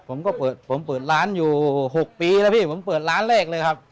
ผมก็เปิดผมเปิดร้านอยู่๖ปีแล้วพี่ผมเปิดร้านแรกเลยครับ